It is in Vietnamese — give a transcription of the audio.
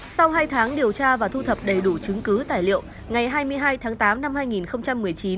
sau hai tháng điều tra và thu thập đầy đủ chứng cứ tài liệu ngày hai mươi hai tháng tám năm hai nghìn một mươi chín